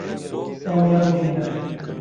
Ew neborîne.